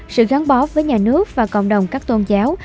sự gắn bó với nhà nước và cộng đồng các tôn giáo